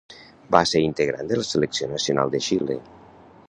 Va ser integrant de la selecció nacional de Xile.